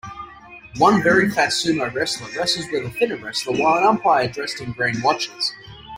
One very fat sumo wrestler wrestles with a thinner wrestler while an umpire dressed in green watches.